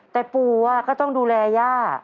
แต่ปู่ก็ต้องดูแลย่า